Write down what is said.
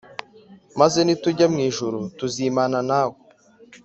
Maze nitujya mu ijuru tuzimana nawe